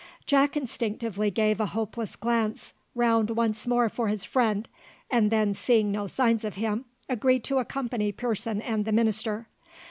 Jack instinctively gave a hopeless glance round once more for his friend, and then seeing no signs of him, agreed to accompany Pearson and the minister.